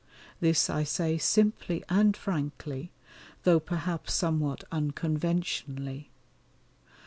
This I say simply and frankly, though perhaps somewhat unconventionally.